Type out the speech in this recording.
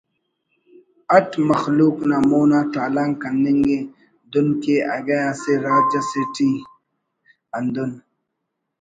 اٹ مخلوق نا مون آ تالان کننگ ءِ دن کہ اگہ اسہ راج اسیٹی ہندن